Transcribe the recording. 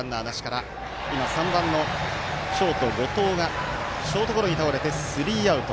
３番のショート、後藤がショートゴロに倒れてスリーアウト。